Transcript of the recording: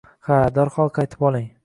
Ha, darhol qaytib oling